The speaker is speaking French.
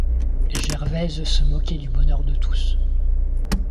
Gervaise se moquait du bonheur de tous.